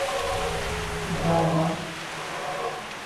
যাও, মা।